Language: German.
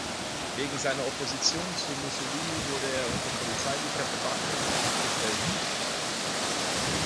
Wegen seiner Opposition zu Mussolini wurde er unter polizeiliche Bewachung gestellt.